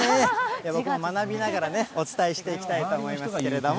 僕も学びながらね、お伝えしていきたいと思いますけれども。